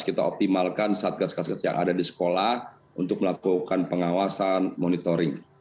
kita optimalkan satgas satgas yang ada di sekolah untuk melakukan pengawasan monitoring